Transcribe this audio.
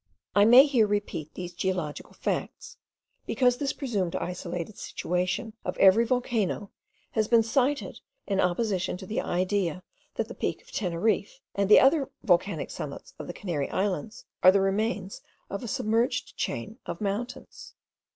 I may here repeat these geological facts, because this presumed isolated situation of every volcano has been cited in opposition to the idea that the peak of Teneriffe, and the other volcanic summits of the Canary Islands, are the remains of a submerged chain of mountains.